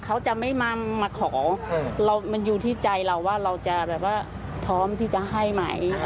เขาจะไม่มาขอเรามันอยู่ที่ใจเราว่าเราจะแบบว่าพร้อมที่จะให้ไหม